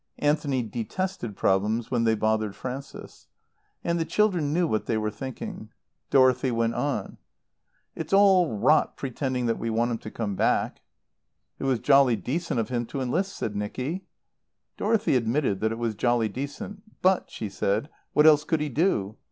Anthony detested problems when they bothered Frances. And the children knew what they were thinking. Dorothy went on. "It's all rot pretending that we want him to come back." "It was jolly decent of him to enlist," said Nicky. Dorothy admitted that it was jolly decent. "But," she said, "what else could he do?